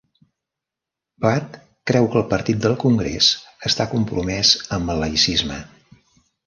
Bhatt creu que el partit del Congrés està compromès amb el laïcisme.